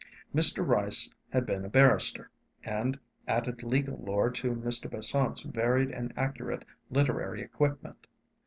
Mr. Rice had been a barrister, and added legal lore to Mr. Besant's varied and accurate literary equipment.